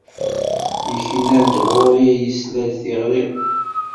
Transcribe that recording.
Ikna-d ɣur-i, isla-d i tiɣri-w.